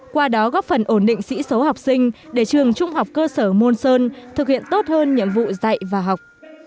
qua đó góp phần ổn định sĩ số học sinh để trường trung học cơ sở môn sơn thực hiện tốt hơn nhiệm vụ dạy và học